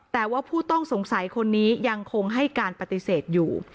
แต่ว่าผู้ต้องสงสัยคนนี้ยังคงให้การปฏิเสธอยู่